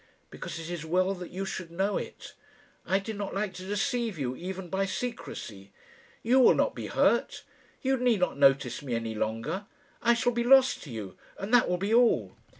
"Because it is well that you should know it. I did not like to deceive you, even by secrecy. You will not be hurt. You need not notice me any longer. I shall be lost to you, and that will be all."